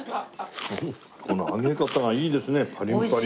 この揚げ方がいいですねパリパリで。